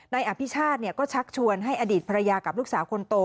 อภิชาติก็ชักชวนให้อดีตภรรยากับลูกสาวคนโต